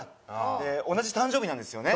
で同じ誕生日なんですよね